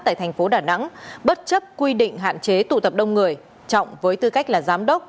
tại thành phố đà nẵng bất chấp quy định hạn chế tụ tập đông người trọng với tư cách là giám đốc